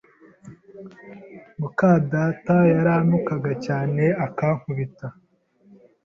mukadata yarantukaga cyane akankubita